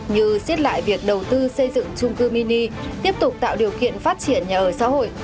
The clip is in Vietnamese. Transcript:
như xiết lại việc đầu tư xây dựng trung cư mini tiếp tục tạo điều kiện phát triển nhà ở xã hội